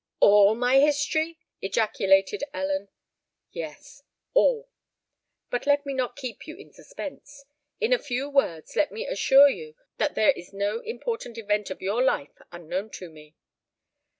"All my history!" ejaculated Ellen. "Yes—all. But let me not keep you in suspense. In a few words let me assure you that there is no important event of your life unknown to me."